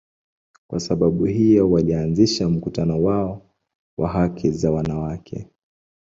Kwa sababu hiyo, walianzisha mkutano wao wa haki za wanawake.